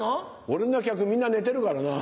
俺の客みんな寝てるからな。